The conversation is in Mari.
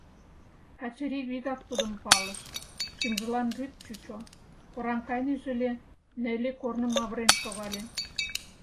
Качырий вигак тудым палыш, шӱмжылан рӱп чучо, кораҥ кайнеже ыле, Нелли корным авырен шогале.